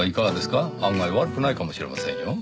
案外悪くないかもしれませんよ。